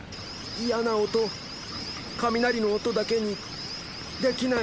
嫌な音雷の音だけにできない。